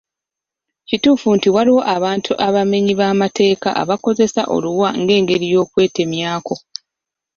Kituufu nti waliwo abantu abamenyi b'amateeka abakozesa oluwa ng'engeri y'okwetemyako.